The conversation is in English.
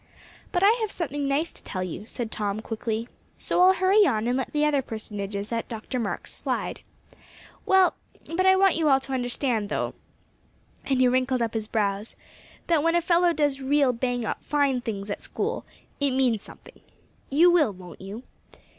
"But I have something nice to tell you," said Tom quickly, "so I'll hurry on, and let the other personages at Dr. Marks' slide. Well, but I want you all to understand, though" and he wrinkled up his brows, "that when a fellow does real, bang up, fine things at that school, it means something. You will, won't you?"